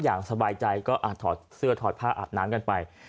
อย่างสบายใจก็ถอดเสื้อถอดผ้าอาบน้ำกันไป